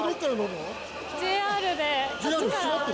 ＪＲで。